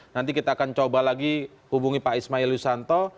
nanti kita akan coba lagi hubungi pak ismail yusanto